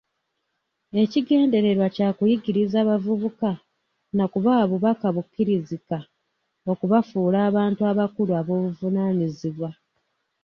Ekigendererwa kya kuyingiza bavubuka na kubawa bubaka bukkirizika okubafuula abantu abakulu ab'obuvunaanyizibwa.